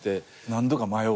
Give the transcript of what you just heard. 何度か。